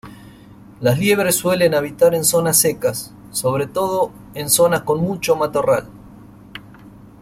Las liebres suelen habitar en zonas secas, sobre todo en zonas con mucho matorral.